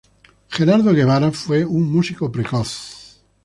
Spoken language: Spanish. Gerardo Guevara fue un músico precoz.